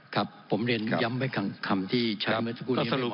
ครับผมเรียนย้ำไว้คำที่ใช้เมืองทุกคนนี้ไม่เหมาะสม